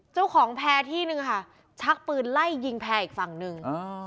เจ้าของแพร่ที่นึงค่ะชักปืนไล่ยิงแพร่อีกฝั่งหนึ่ง